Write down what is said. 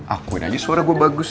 akuin aja suara gue bagus